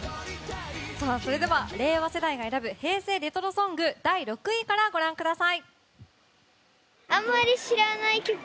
それでは令和世代が選ぶ平成レトロソング第６位からご覧ください。